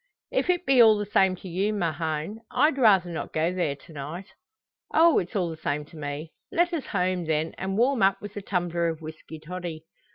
"If it be all the same to you, Mahon, I'd rather not go there to night." "Oh! it's all the same to me. Let us home, then, and warm up with a tumbler of whisky toddy.